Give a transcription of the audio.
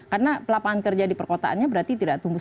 karena pelapaan kerja di perkotaannya berarti tidak tumbuh